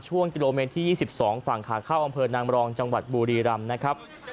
ช่วงกิโลเมตรที่๒๒ฝั่งขาเข้าอำเภอนางรองจังหวัดบุรีรำนะครับ